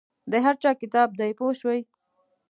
د هر چا کتاب دی پوه شوې!.